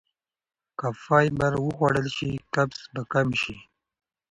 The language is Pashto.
که فایبر وخوړل شي قبض به کمه شي.